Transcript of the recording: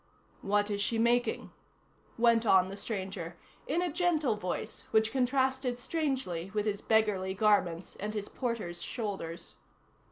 "What is she making?" went on the stranger, in a gentle voice which contrasted strangely with his beggarly garments and his porter's shoulders.